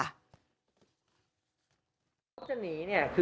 จะรับผิดชอบกับความเสียหายที่เกิดขึ้น